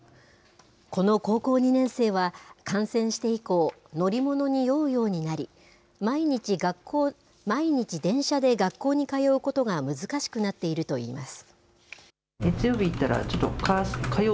この高校２年生は、感染して以降、乗り物に酔うようになり、毎日電車で学校に通うことが難しくなっているといいます。